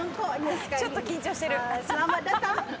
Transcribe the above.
ちょっと緊張してる。